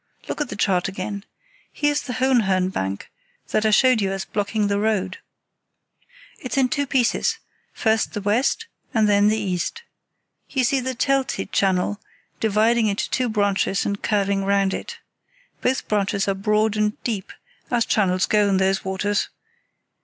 Look at the chart again. Here's the Hohenhörn bank that I showed you as blocking the road. [See Chart A] It's in two pieces—first the west and then the east. You see the Telte channel dividing into two branches and curving round it. Both branches are broad and deep, as channels go in those waters.